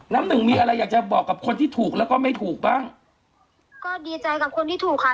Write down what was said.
น้ำหนึ่งมีอะไรอยากจะบอกกับคนที่ถูกแล้วก็ไม่ถูกบ้างก็ดีใจกับคนที่ถูกค่ะ